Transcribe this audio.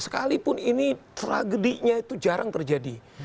sekalipun ini tragedinya itu jarang terjadi